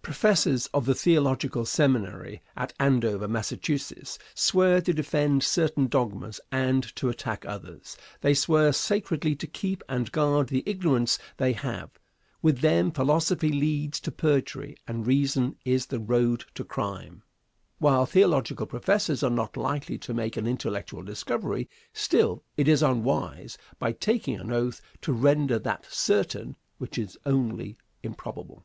Professors of the theological seminary at Andover, Massachusetts, swear to defend certain dogmas and to attack others. They swear sacredly to keep and guard the ignorance they have. With them, philosophy leads to perjury, and reason is the road to crime. While theological professors are not likely to make an intellectual discovery, still it is unwise, by taking an oath, to render that certain which is only improbable.